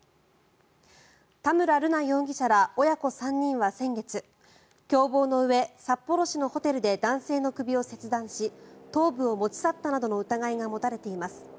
田村瑠奈容疑者ら親子３人は先月共謀のうえ札幌市のホテルで男性の首を切断し頭部を持ち去ったなどの疑いが持たれています。